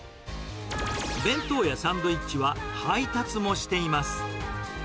弁当やサンドイッチは配達もしています。